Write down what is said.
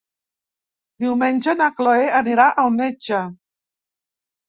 Diumenge na Cloè anirà al metge.